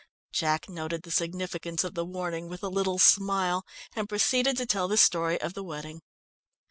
Jack noted the significance of the warning with a little smile, and proceeded to tell the story of the wedding.